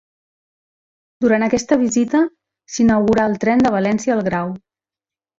Durant aquesta visita, s'inaugurà el tren de València al Grau.